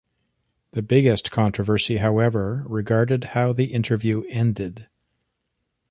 The biggest controversy, however, regarded how the interview ended.